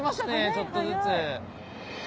ちょっとずつ。